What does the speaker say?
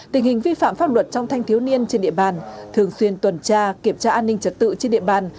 tình hình vi phạm pháp luật trong thanh thiếu niên trên địa bàn thường xuyên tuần tra kiểm tra an ninh trật tự trên địa bàn